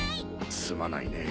すまないねぇ。